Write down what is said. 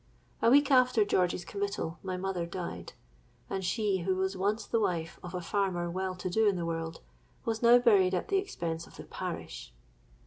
A week after George's committal, my mother died; and she, who was once the wife of a farmer well to do in the world, was now buried at the expense of the parish!